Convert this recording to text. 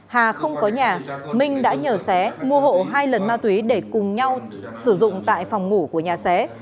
hà không có nhà minh đã nhờ xé mua hộ hai lần ma túy để cùng nhau sử dụng tại phòng ngủ của nhà xé